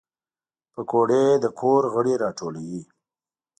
پکورې د کور غړي راټولوي